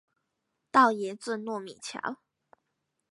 道爺圳糯米橋